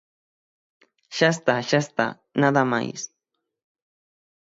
¡Xa está, xa está!, nada máis.